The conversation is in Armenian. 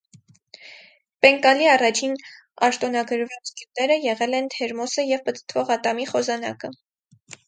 Պենկալի առաջին արտոնագրված գյուտերը եղել են թերմոսը և պտտվող ատամի խոզանակը։